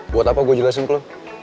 buat apa gue jelasin lo